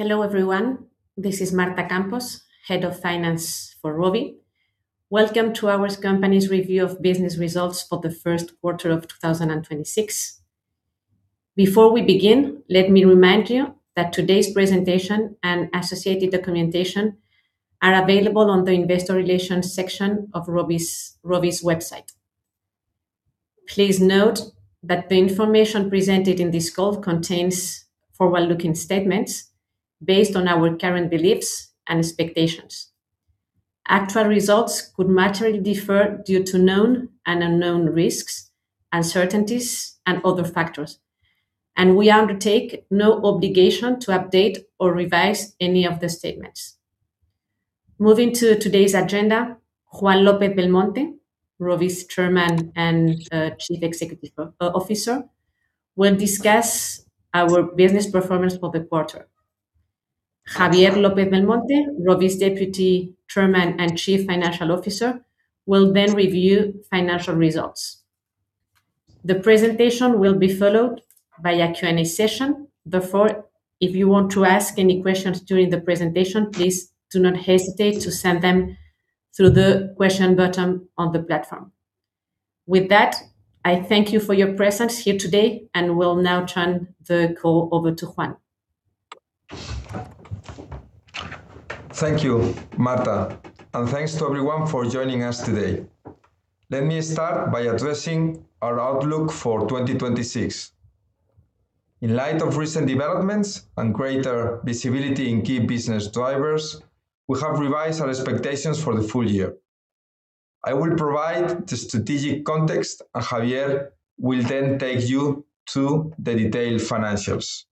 Hello, everyone. This is Marta Campos, Head of Finance for ROVI. Welcome to our company's review of business results for the first quarter of 2026. Before we begin, let me remind you that today's presentation and associated documentation are available on the investor relations section of ROVI's website. Please note that the information presented in this call contains forward-looking statements based on our current beliefs and expectations. Actual results could materially differ due to known and unknown risks, uncertainties and other factors, and we undertake no obligation to update or revise any of the statements. Moving to today's agenda, Juan López-Belmonte, ROVI's Chairman and Chief Executive Officer, will discuss our business performance for the quarter. Javier López-Belmonte, ROVI's Deputy Chairman and Chief Financial Officer, will then review financial results. The presentation will be followed by a Q&A session. Therefore, if you want to ask any questions during the presentation, please do not hesitate to send them through the question button on the platform. With that, I thank you for your presence here today and will now turn the call over to Juan. Thank you, Marta, and thanks to everyone for joining us today. Let me start by addressing our outlook for 2026. In light of recent developments and greater visibility in key business drivers, we have revised our expectations for the full year. I will provide the strategic context, and Javier will then take you to the detailed financials.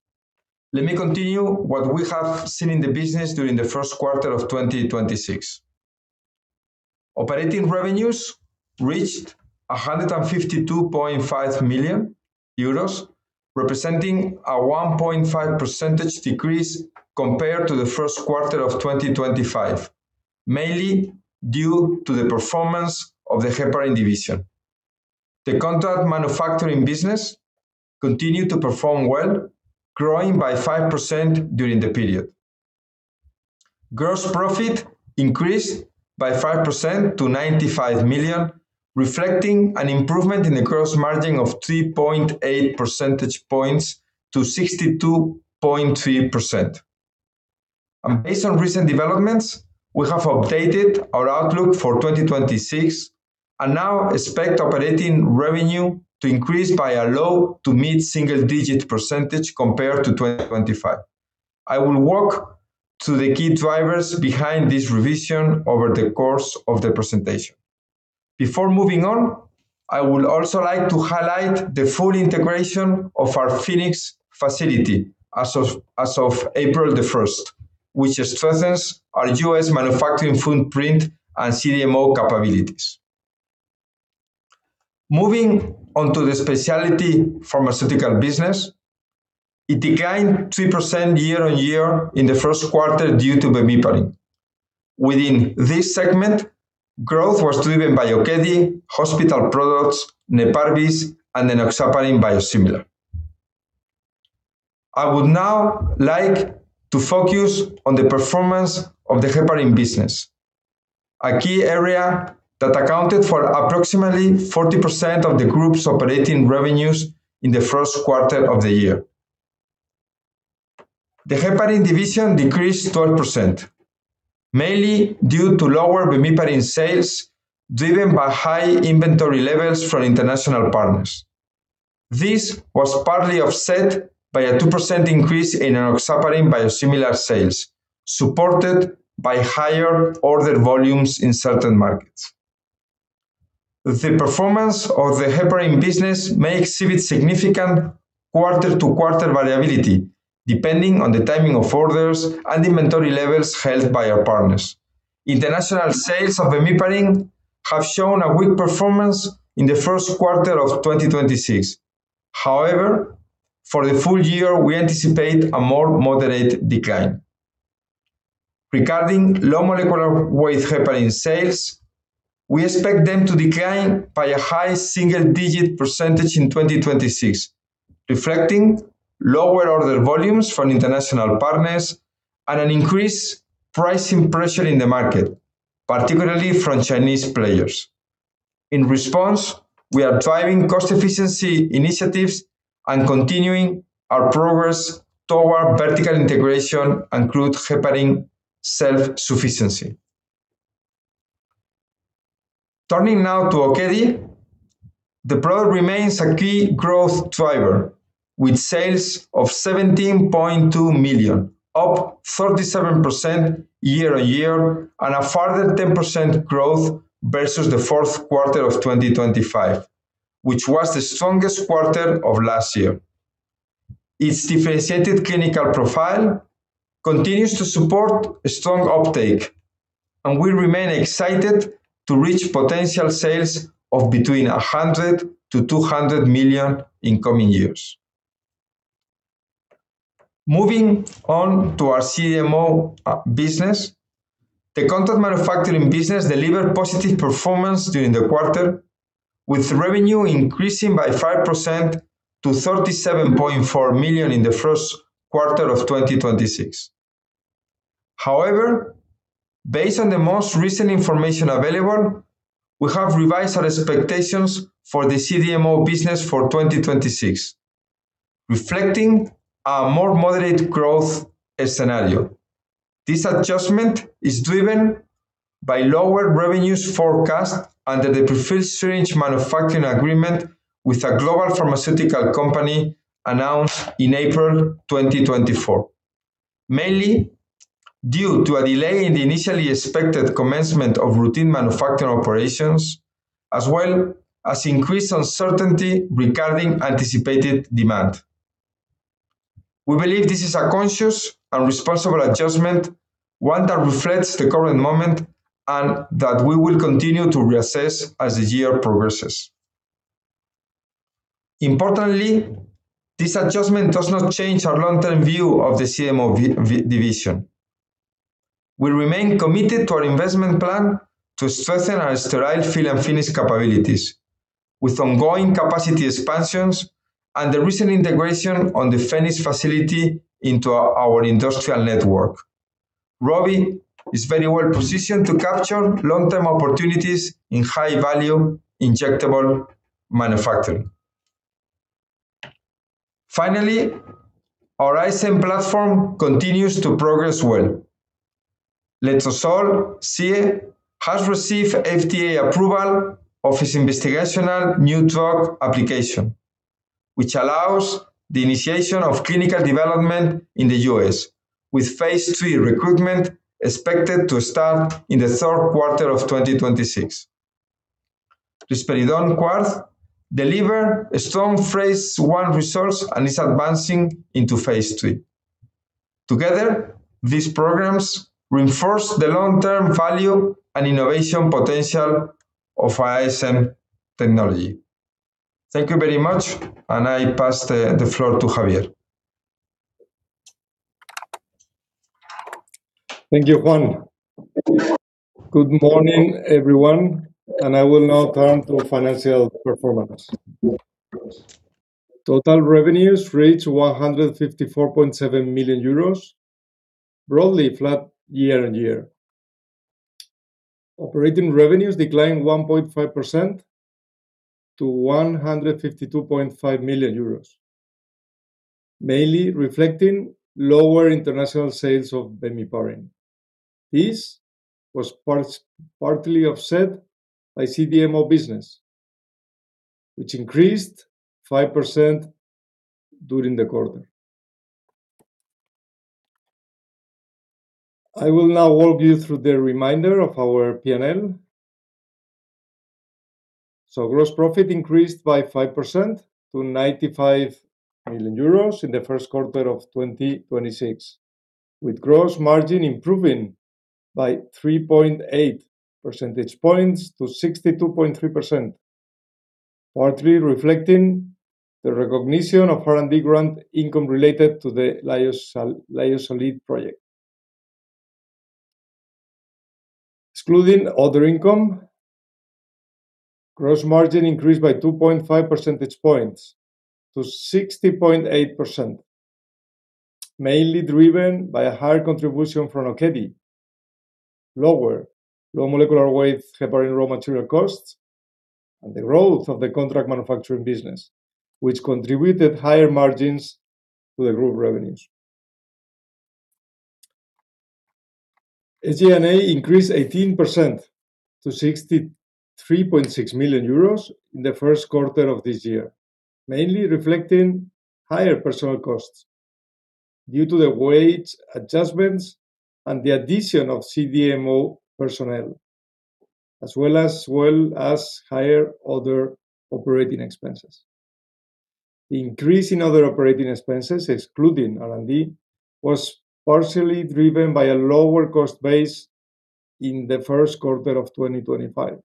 Let me continue what we have seen in the business during the first quarter of 2026. Operating revenues reached 152.5 million euros, representing a 1.5% decrease compared to the first quarter of 2025, mainly due to the performance of the heparin division. The contract manufacturing business continued to perform well, growing by 5% during the period. Gross profit increased by 5% to 95 million, reflecting an improvement in the gross margin of 3.8 percentage points to 62.3%. Based on recent developments, we have updated our outlook for 2026 and now expect operating revenue to increase by a low to mid-single-digit percentage compared to 2025. I will walk through the key drivers behind this revision over the course of the presentation. Before moving on, I would also like to highlight the full integration of our Phoenix facility as of April 1st, which strengthens our U.S. manufacturing footprint and CDMO capabilities. Moving on to the specialty pharmaceutical business, it declined 3% year-on-year in the first quarter due to bemiparin. Within this segment, growth was driven by OKEDI, hospital products, Neparvis, and enoxaparin biosimilar. I would now like to focus on the performance of the heparin business, a key area that accounted for approximately 40% of the group's operating revenues in the first quarter of the year. The heparin division decreased 12%, mainly due to lower bemiparin sales, driven by high inventory levels from international partners. This was partly offset by a 2% increase in enoxaparin biosimilar sales, supported by higher order volumes in certain markets. The performance of the heparin business may exhibit significant quarter-to-quarter variability depending on the timing of orders and inventory levels held by our partners. International sales of bemiparin have shown a weak performance in the first quarter of 2026. However, for the full year, we anticipate a more moderate decline. Regarding low molecular weight heparin sales, we expect them to decline by a high single-digit percentage in 2026, reflecting lower order volumes from international partners and an increased pricing pressure in the market, particularly from Chinese players. In response, we are driving cost efficiency initiatives and continuing our progress toward vertical integration and crude heparin self-sufficiency. Turning now to OKEDI, the product remains a key growth driver, with sales of 17.2 million, up 37% year-over-year and a further 10% growth versus the fourth quarter of 2025, which was the strongest quarter of last year. Its differentiated clinical profile continues to support a strong uptake. We remain excited to reach potential sales of between 100 million-200 million in coming years. Moving on to our CDMO business. The contract manufacturing business delivered positive performance during the quarter, with revenue increasing by 5% to 37.4 million in the first quarter of 2026. However, based on the most recent information available, we have revised our expectations for the CDMO business for 2026, reflecting a more moderate growth scenario. This adjustment is driven by lower revenues forecast under the prefilled syringe manufacturing agreement with a global pharmaceutical company announced in April 2024, mainly due to a delay in the initially expected commencement of routine manufacturing operations, as well as increased uncertainty regarding anticipated demand. We believe this is a conscious and responsible adjustment, one that reflects the current moment and that we will continue to reassess as the year progresses. Importantly, this adjustment does not change our long-term view of the CDMO division. We remain committed to our investment plan to strengthen our sterile fill and finish capabilities with ongoing capacity expansions and the recent integration on the Phoenix facility into our industrial network. ROVI is very well-positioned to capture long-term opportunities in high-value injectable manufacturing. Finally, our ISM platform continues to progress well. Letrozole SIE has received FDA approval of its investigational new drug application, which allows the initiation of clinical development in the U.S., with phase III recruitment expected to start in the third quarter of 2026. Risperidone quarterly delivered a strong phase I results and is advancing into phase III. Together, these programs reinforce the long-term value and innovation potential of our ISM technology. Thank you very much, and I pass the floor to Javier. Thank you, Juan. Good morning, everyone, I will now turn to financial performance. Total revenues reached EUR 154.7 million, broadly flat year-on-year. Operating revenues declined 1.5% to 152.5 million euros, mainly reflecting lower international sales of bemiparin. This was partly offset by CDMO business, which increased 5% during the quarter. I will now walk you through the remainder of our P&L. Gross profit increased by 5% to 95 million euros in the first quarter of 2026, with gross margin improving by 3.8 percentage points to 62.3%, partly reflecting the recognition of R&D grant income related to the LAISOLID project. Excluding other income, gross margin increased by 2.5 percentage points to 60.8%, mainly driven by a higher contribution from OKEDI, lower low molecular weight heparin raw material costs, and the growth of the contract manufacturing business, which contributed higher margins to the group revenues. SG&A increased 18% to 63.6 million euros in the first quarter of this year, mainly reflecting higher personnel costs due to the wage adjustments and the addition of CDMO personnel, as well as higher other operating expenses. The increase in other operating expenses, excluding R&D, was partially driven by a lower cost base in the first quarter of 2025,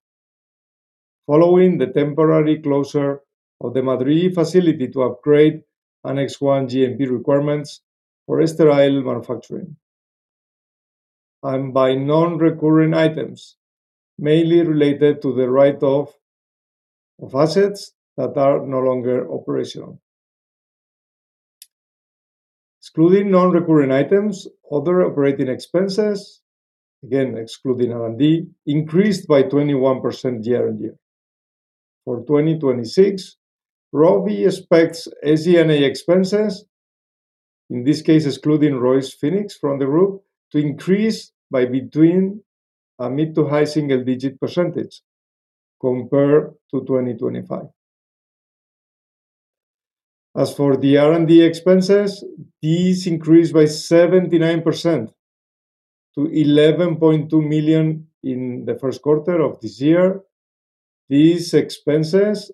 following the temporary closure of the Madrid facility to upgrade Annex 1 GMP requirements for sterile manufacturing, and by non-recurring items, mainly related to the write-off of assets that are no longer operational. Excluding non-recurring items, other operating expenses, again, excluding R&D, increased by 21% year-on-year. For 2026, ROVI expects SG&A expenses, in this case excluding ROVI Phoenix from the group, to increase by between a mid to high single-digit percentage compared to 2025. As for the R&D expenses, these increased by 79% to 11.2 million in the first quarter of this year. These expenses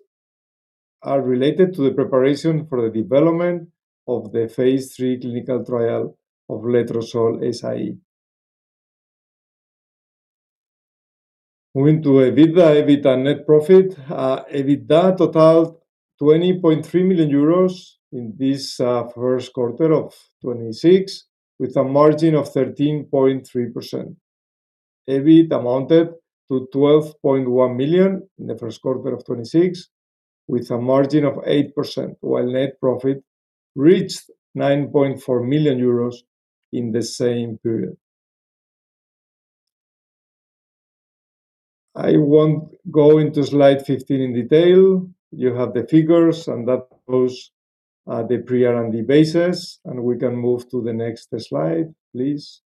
are related to the preparation for the development of the phase III clinical trial of Letrozole SIE. Moving to EBITDA, EBIT and net profit. EBITDA totaled 20.3 million euros in this first quarter of 2026, with a margin of 13.3%. EBIT amounted to 12.1 million in the first quarter of 2026, with a margin of 8%, while net profit reached 9.4 million euros in the same period. I won't go into slide 15 in detail. You have the figures, and that shows the pre-R&D basis, and we can move to the next slide, please.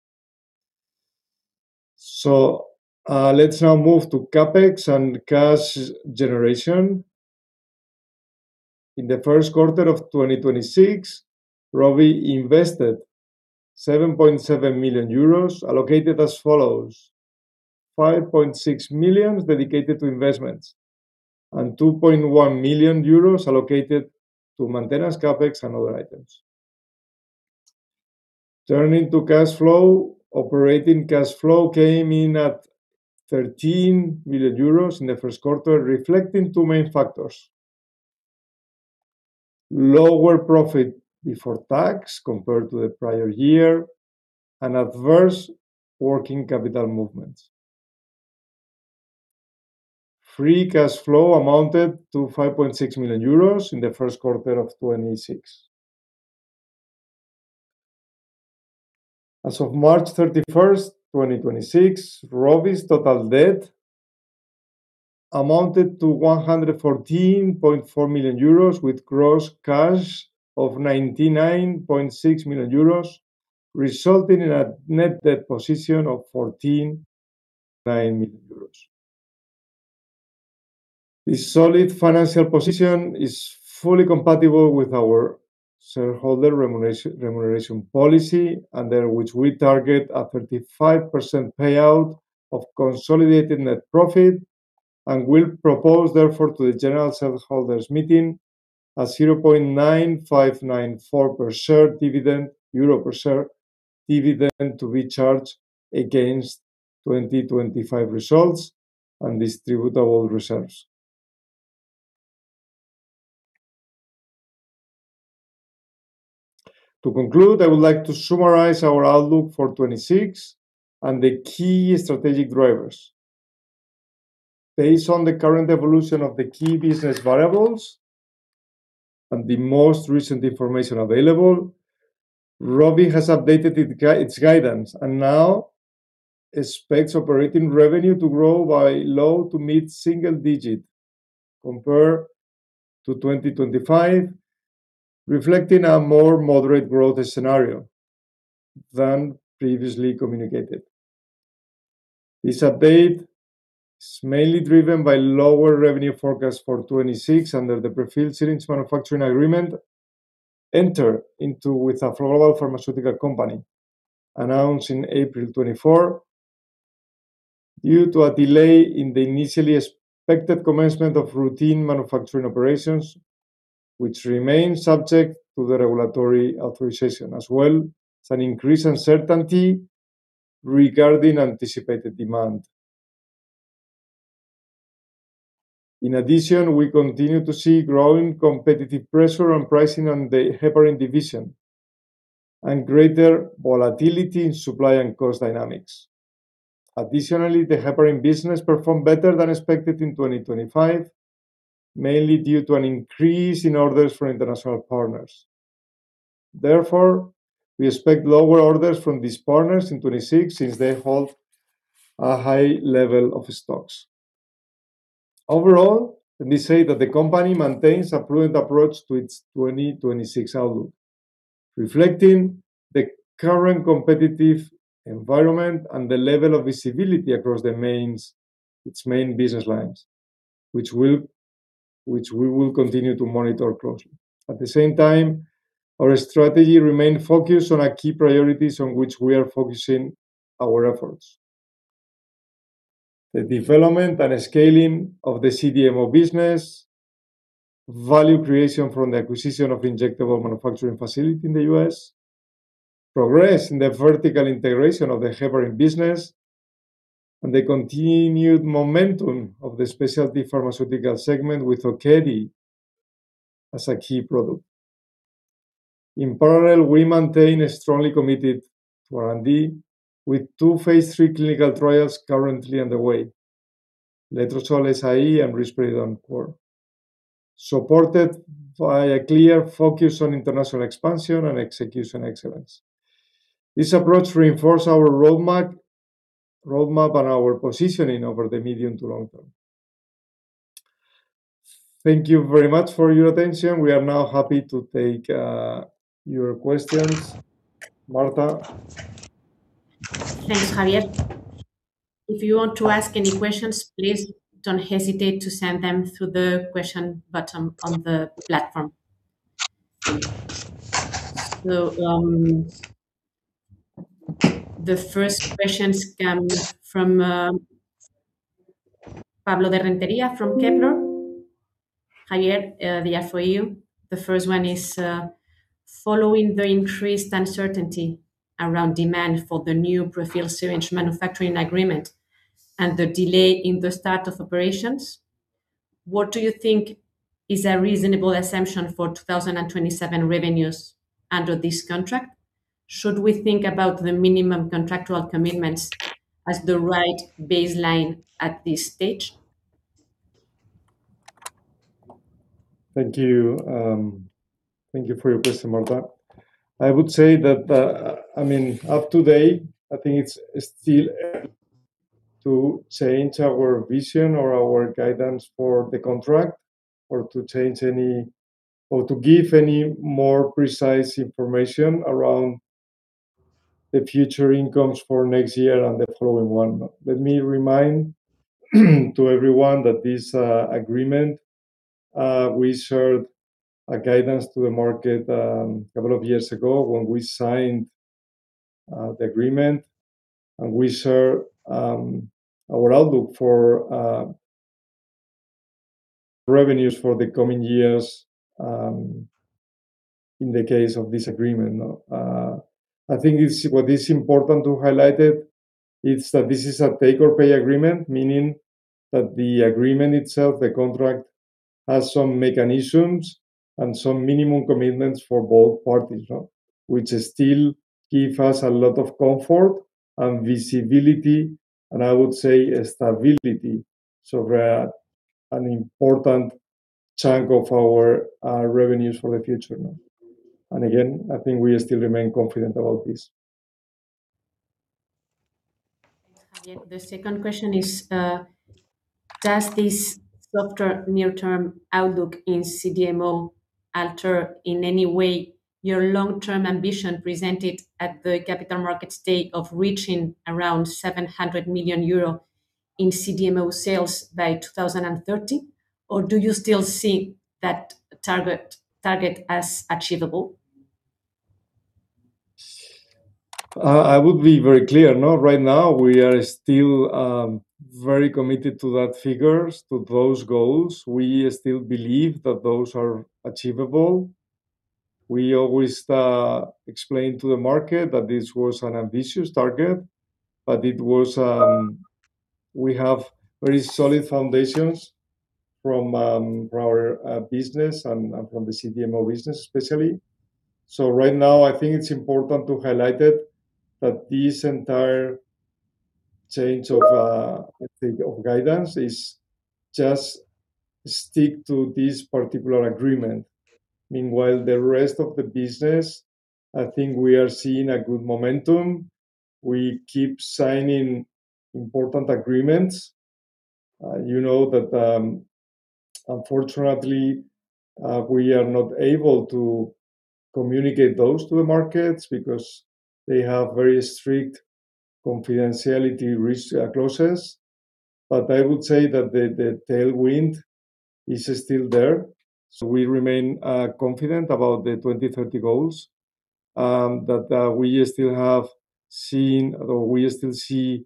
Let's now move to CapEx and cash generation. In the first quarter of 2026, ROVI invested 7.7 million euros allocated as follows: 5.6 million dedicated to investments and 2.1 million euros allocated to maintenance CapEx and other items. Turning to cash flow, operating cash flow came in at 13 million euros in the first quarter, reflecting two main factors. Lower profit before tax compared to the prior year and adverse working capital movements. Free cash flow amounted to 5.6 million euros in the first quarter of 2026. As of March 31st, 2026, ROVI's total debt amounted to 114.4 million euros, with gross cash of 99.6 million euros, resulting in a net debt position of 14.9 million euros. This solid financial position is fully compatible with our shareholder remuneration policy, under which we target a 35% payout of consolidated net profit and will propose therefore to the general shareholders' meeting a 0.9594 per share dividend to be charged against 2025 results and distributable reserves. To conclude, I would like to summarize our outlook for 2026 and the key strategic drivers. Based on the current evolution of the key business variables and the most recent information available, ROVI has updated its guidance and now expects operating revenue to grow by low to mid-single-digit compared to 2025, reflecting a more moderate growth scenario than previously communicated. This update is mainly driven by lower revenue forecast for 2026 under the prefilled syringe manufacturing agreement entered into with a global pharmaceutical company announced in April 2024 due to a delay in the initially expected commencement of routine manufacturing operations, which remain subject to the regulatory authorization, as well as an increased uncertainty regarding anticipated demand. In addition, we continue to see growing competitive pressure on pricing on the heparin division and greater volatility in supply and cost dynamics. Additionally, the heparin business performed better than expected in 2025, mainly due to an increase in orders from international partners. Therefore, we expect lower orders from these partners in 2026 since they hold a high level of stocks. Overall, let me say that the company maintains a prudent approach to its 2026 outlook, reflecting the current competitive environment and the level of visibility across its main business lines, which we will continue to monitor closely. At the same time, our strategy remain focused on our key priorities on which we are focusing our efforts. The development and scaling of the CDMO business, value creation from the acquisition of the injectable manufacturing facility in the U.S., progress in the vertical integration of the heparin business, and the continued momentum of the specialty pharmaceutical segment with OKEDI as a key product. In parallel, we maintain a strongly committed to R&D, with two phase III clinical trials currently underway, Letrozole SIE and Risperidone quarterly, supported by a clear focus on international expansion and execution excellence. This approach reinforce our roadmap and our positioning over the medium to long-term. Thank you very much for your attention. We are now happy to take your questions. Marta? Thank you, Javier. If you want to ask any questions, please don't hesitate to send them through the question button on the platform. The first question comes from Pablo de Renteria from Kepler, Javier, they are for you. The first one is, following the increased uncertainty around demand for the new prefilled syringe manufacturing agreement and the delay in the start of operations, what do you think is a reasonable assumption for 2027 revenues under this contract? Should we think about the minimum contractual commitments as the right baseline at this stage? Thank you. Thank you for your question, Marta. I would say that, I mean, up today, I think it's still early to change our vision or our guidance for the contract or to change any or to give any more precise information around the future incomes for next year and the following one. Let me remind to everyone that this agreement, we shared a guidance to the market a couple of years ago when we signed the agreement, and we share our outlook for revenues for the coming years in the case of this agreement. I think what is important to highlight it is that this is a take-or-pay agreement, meaning that the agreement itself, the contract, has some mechanisms and some minimum commitments for both parties. Which still give us a lot of comfort and visibility and I would say stability over an important chunk of our revenues for the future. Again, I think we still remain confident about this. Thanks, Javier. The second question is, does this softer near-term outlook in CDMO alter in any way your long-term ambition presented at the Capital Markets Day of reaching around 700 million euro in CDMO sales by 2030? Or do you still see that target as achievable? I would be very clear, no. Right now, we are still very committed to that figures, to those goals. We still believe that those are achievable. We always explain to the market that this was an ambitious target. We have very solid foundations from our business and from the CDMO business especially. Right now, I think it's important to highlight it that this entire change of, I think, of guidance is just stick to this particular agreement. Meanwhile, the rest of the business, I think we are seeing a good momentum. We keep signing important agreements. You know that, unfortunately, we are not able to communicate those to the markets because they have very strict confidentiality clauses. I would say that the tailwind is still there, so we remain confident about the 2030 goals, that we still have seen, or we still see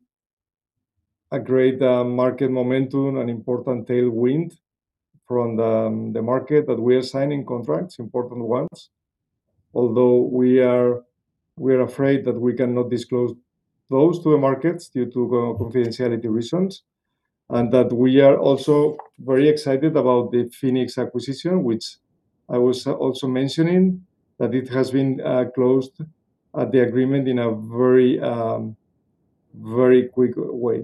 a great market momentum and important tailwind from the market, that we are signing contracts, important ones, although we are afraid that we cannot disclose those to the markets due to confidentiality reasons, and that we are also very excited about the Phoenix acquisition, which I was also mentioning, that it has been closed, the agreement in a very quick way.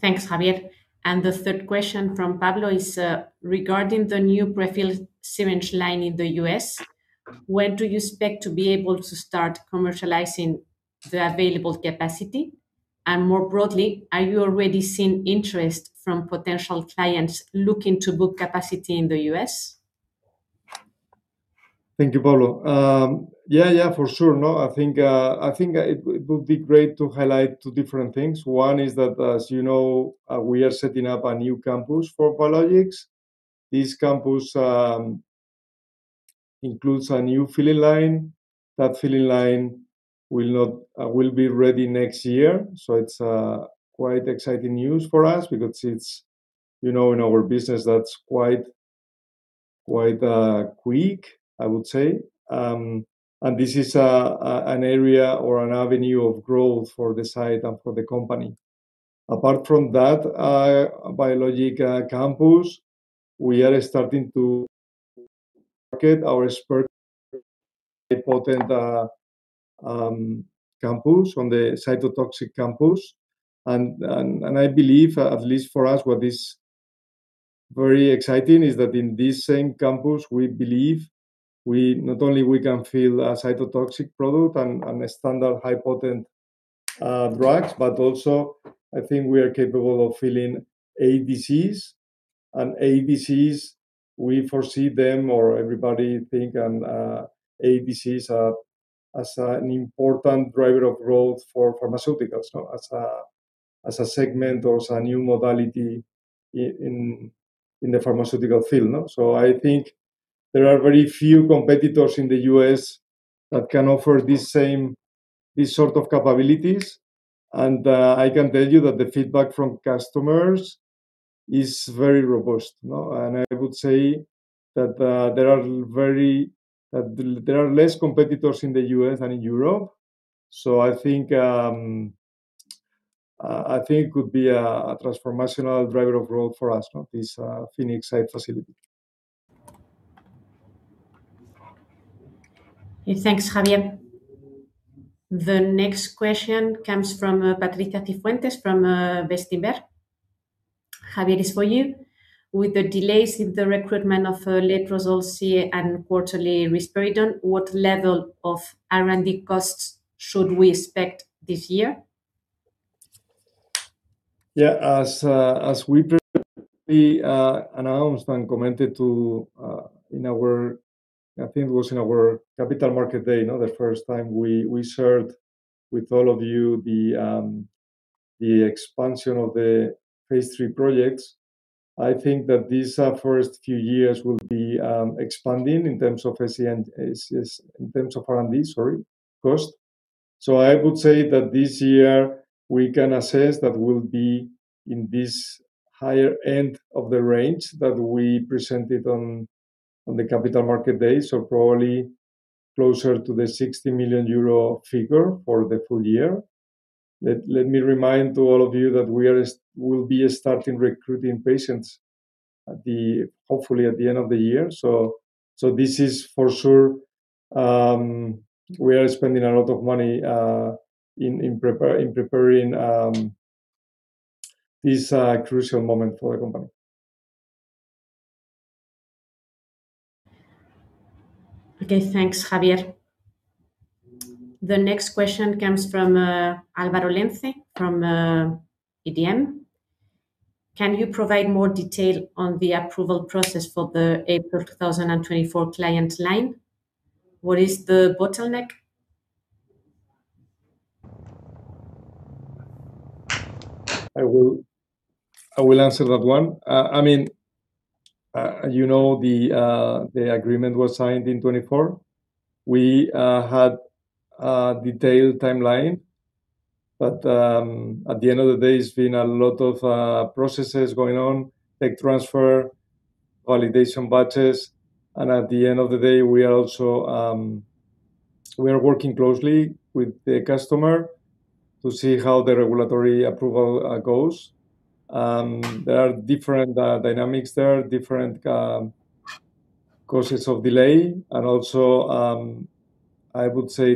Thanks, Javier. The third question from Pablo is regarding the new prefilled syringe line in the U.S., when do you expect to be able to start commercializing the available capacity? More broadly, are you already seeing interest from potential clients looking to book capacity in the U.S.? Thank you, Pablo. Yeah, for sure, no. I think it would be great to highlight two different things. One is that, as you know, we are setting up a new campus for biologics. This campus includes a new filling line. That filling line will be ready next year. It's quite exciting news for us because it's, you know, in our business that's quite quick, I would say. This is an area or an avenue of growth for the site and for the company. Apart from that, biologics campus, we are starting to market our expert potent campus from the cytotoxic campus. I believe, at least for us, what is very exciting is that in this same campus, we believe not only we can fill a cytotoxic product and a standard high potent drugs, but also I think we are capable of filling ADCs. ADCs, we foresee them, or everybody think ADCs are as an important driver of growth for pharmaceuticals, no? As a segment or as a new modality in the pharmaceutical field, no? I think there are very few competitors in the U.S. that can offer these sort of capabilities, and I can tell you that the feedback from customers is very robust, no? I would say that there are less competitors in the U.S. than in Europe. I think it could be a transformational driver of growth for us. This Phoenix site facility. Yeah. Thanks, Javier. The next question comes from Patricia Cifuentes from Bestinver. Javier, it's for you. With the delays in the recruitment of Letrozole SIE and quarterly Risperidone, what level of R&D costs should we expect this year? Yeah. As as we announced and commented to, in our, I think it was in our Capital Markets Day, you know, the first time we shared with all of you the expansion of the phase III projects. I think that these first few years will be expanding in terms of SE and SES, in terms of R&D, sorry, cost. I would say that this year we can assess that we'll be in this higher end of the range that we presented on the Capital Markets Day, probably closer to the 60 million euro figure for the full year. Let me remind to all of you that we'll be starting recruiting patients at the, hopefully at the end of the year. This is for sure, we are spending a lot of money in preparing this crucial moment for the company. Okay. Thanks, Javier. The next question comes from Álvaro Lenze from EDM. Can you provide more detail on the approval process for the April 2024 client line? What is the bottleneck? I will answer that one. I mean, you know, the agreement was signed in 2024. We had a detailed timeline, but at the end of the day, it's been a lot of processes going on, tech transfer, validation batches. At the end of the day, we are also, we are working closely with the customer to see how the regulatory approval goes. There are different dynamics there, different causes of delay and also, I wouldn't say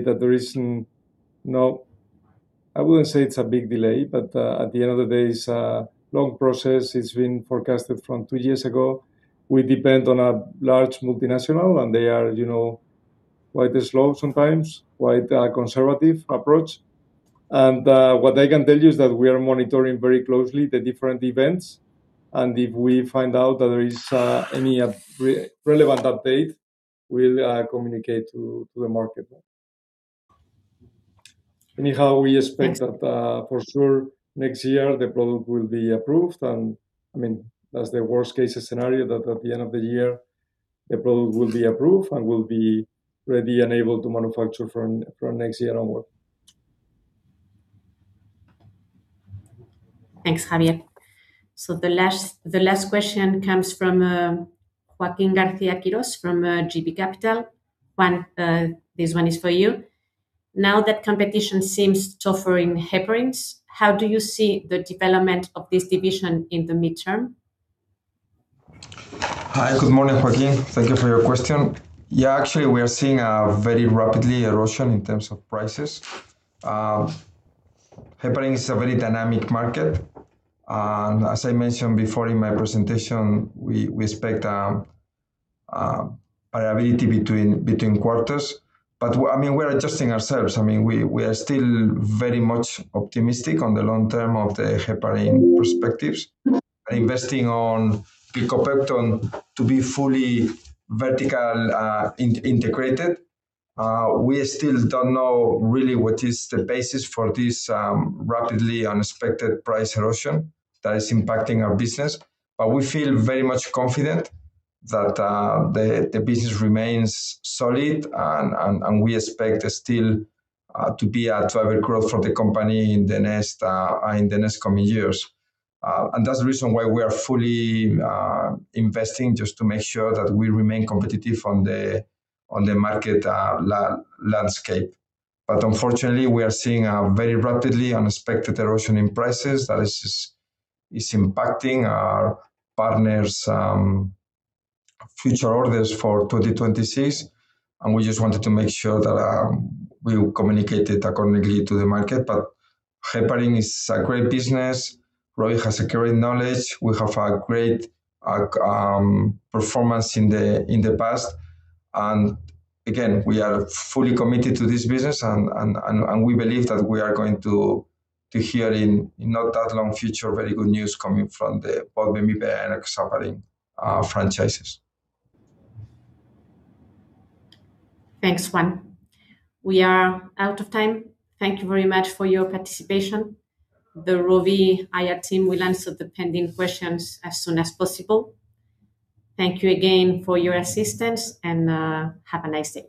it's a big delay, but at the end of the day, it's a long process. It's been forecasted from two years ago. We depend on a large multinational, they are, you know, quite slow sometimes, quite conservative approach. What I can tell you is that we are monitoring very closely the different events, and if we find out that there is any relevant update, we'll communicate to the market. Anyhow, we expect that for sure next year the product will be approved, and I mean, that's the worst-case scenario that at the end of the year, the product will be approved and we'll be ready and able to manufacture from next year onward. Thanks, Javier. The last question comes from Joaquín García-Quirós from JB Capital. Juan, this one is for you. Now that competition seems tougher in heparins, how do you see the development of this division in the midterm? Hi. Good morning, Joaquín. Thank you for your question. Actually, we are seeing a very rapidly erosion in terms of prices. Heparin is a very dynamic market, and as I mentioned before in my presentation, we expect variability between quarters. We, I mean, we're adjusting ourselves. I mean, we are still very much optimistic on the long-term of the heparin perspectives, investing on Glicopepton to be fully vertical integrated. We still don't know really what is the basis for this rapidly unexpected price erosion that is impacting our business. We feel very much confident that the business remains solid and we expect still to be a driver growth for the company in the next coming years. That's the reason why we are fully investing just to make sure that we remain competitive on the market landscape. Unfortunately, we are seeing a very rapidly unexpected erosion in prices that is impacting our partners' future orders for 2026, and we just wanted to make sure that we communicate it accordingly to the market. Heparin is a great business. ROVI has a great knowledge. We have had great performance in the past. Again, we are fully committed to this business and we believe that we are going to hear in not that long future, very good news coming from the bemiparin and enoxaparin franchises. Thanks, Juan. We are out of time. Thank you very much for your participation. The ROVI IR team will answer the pending questions as soon as possible. Thank you again for your assistance and have a nice day.